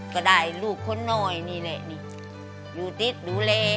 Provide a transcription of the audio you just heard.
ก็ได้ลูกคนหน่อยนี่แหละนี่อยู่ติดดูแล